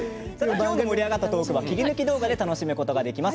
今日盛り上がったトークは切り抜き度から楽しむことができます。